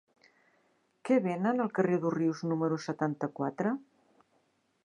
Què venen al carrer d'Òrrius número setanta-quatre?